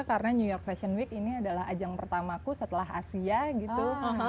karena new york fashion week ini adalah ajang pertamaku setelah asia gitu